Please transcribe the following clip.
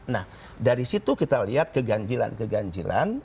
nah dari situ kita lihat keganjilan keganjilan